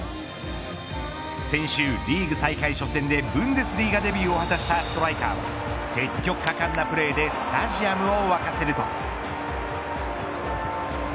先週、リーグ再開初戦でブンデスリーガデビューを果たしたストライカーは積極果敢なプレーでスタジアムを沸かせると。